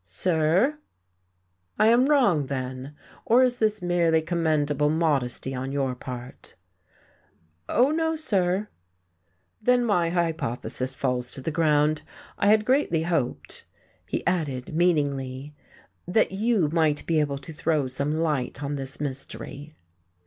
"Sir?" "I am wrong, then. Or is this merely commendable modesty on your part?" "Oh, no, sir." "Then my hypothesis falls to the ground. I had greatly hoped," he added meaningly, "that you might be able to throw some light on this mystery."